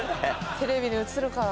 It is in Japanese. テレビに映るから。